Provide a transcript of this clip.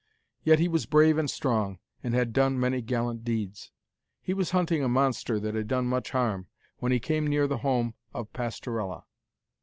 Yet he was brave and strong, and had done many gallant deeds. He was hunting a monster that had done much harm, when he came near the home of Pastorella.